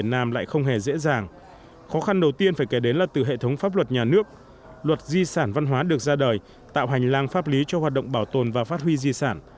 tiếp tiên phải kể đến là từ hệ thống pháp luật nhà nước luật di sản văn hóa được ra đời tạo hành lang pháp lý cho hoạt động bảo tồn và phát huy di sản